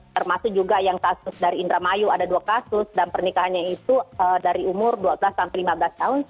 termasuk juga yang kasus dari indramayu ada dua kasus dan pernikahannya itu dari umur dua belas sampai lima belas tahun